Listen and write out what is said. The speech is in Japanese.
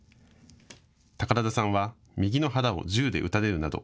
宝田さんは右の腹を銃で撃たれるなど